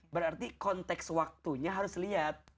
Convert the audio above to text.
berarti konteks waktunya harus lihat